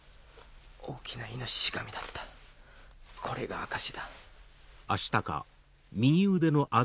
大きな猪神だったこれが証しだ。